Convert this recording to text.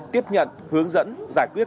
tiếp nhận hướng dẫn giải quyết